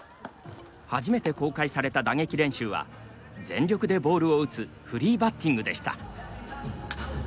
初めて公開された打撃練習は全力でボールを打つフリーバッティングでした。